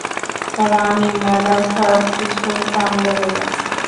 রানি madam সবকিছু সামলে নিবে।